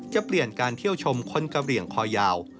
จะเปลี่ยนการเที่ยวชมคนกะเหลี่ยงคอยาว